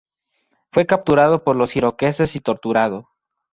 Fue capturado por los iroqueses y torturado.